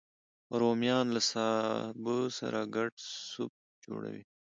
رومیان له سابه سره ګډ سوپ جوړوي